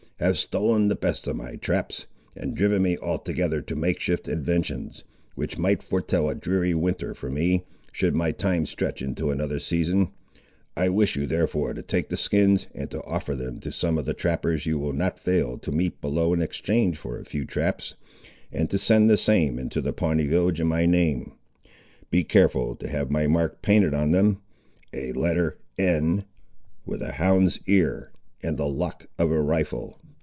have stolen the best of my traps, and driven me altogether to make shift inventions, which might foretell a dreary winter for me, should my time stretch into another season. I wish you therefore to take the skins, and to offer them to some of the trappers you will not fail to meet below in exchange for a few traps, and to send the same into the Pawnee village in my name. Be careful to have my mark painted on them; a letter N, with a hound's ear, and the lock of a rifle.